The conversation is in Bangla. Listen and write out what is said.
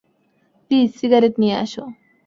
প্লিজ সিগারেট নিয়ে আসো!